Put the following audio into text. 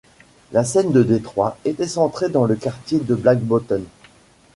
La scène de Detroit était centrée dans le quartier de Black Bottom.